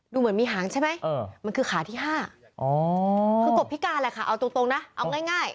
ดูเหมือนมีหางใช่ไหมมันคือขาที่๕คือกบพิการแหละค่ะเอาตรงนะเอาง่าย